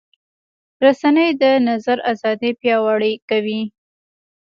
رسنۍ د نظر ازادي پیاوړې کوي.